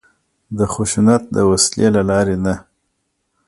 د خشونت د وسلې له لارې نه.